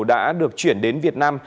đã được chuyển đến hà nội